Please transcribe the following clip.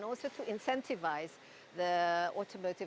dan juga untuk mempercepat